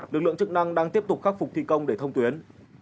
lực lượng chức năng đang tiếp tục khắc phục thi công để thông tuyến